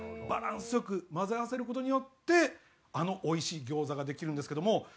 バランス良く混ぜ合わせる事によってあの美味しい餃子ができるんですけども。